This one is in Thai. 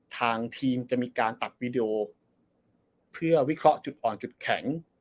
ทางทีมจะมีการตัดวีดีโอเพื่อวิเคราะห์จุดอ่อนจุดแข็ง